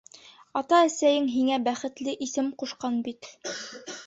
Ата-әсәйең һиңә бәхетле исем ҡушҡан бит.